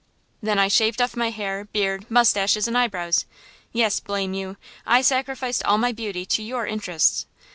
Then I shaved off my hair, beard, mustaches and eyebrows! Yes, blame you, I sacrificed all my beauty to your interests!